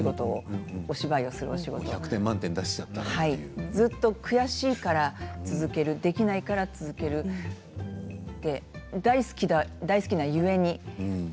お芝居をする仕事をずっと悔しいから続けるできないから続ける大好きがゆえに。